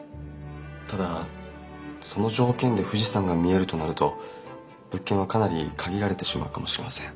ただその条件で富士山が見えるとなると物件はかなり限られてしまうかもしれません。